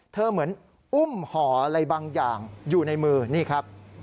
เหมือนอุ้มห่ออะไรบางอย่างอยู่ในมือนี่ครับ